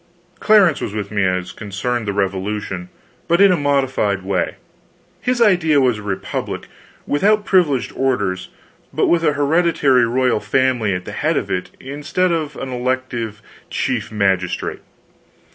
Clarence was with me as concerned the revolution, but in a modified way. His idea was a republic, without privileged orders, but with a hereditary royal family at the head of it instead of an elective chief magistrate.